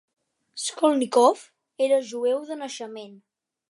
Sokolnikov era jueu de naixement.